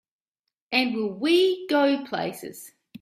And will we go places!